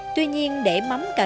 tuy nhiên để mắm cà xỉu